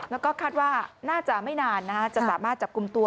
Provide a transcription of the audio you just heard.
แล้วก็คาดว่าน่าจะไม่นานจะสามารถจับกลุ่มตัว